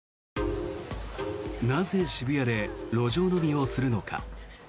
なぜ、渋谷で路上飲みをするのか。